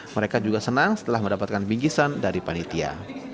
mereka juga senang setelah mendapatkan bingkisan dari panitia